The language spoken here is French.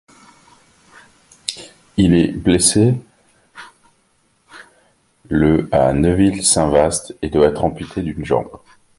Il est blessé le à Neuville-Saint-Vaast et doit être amputé d'une jambe.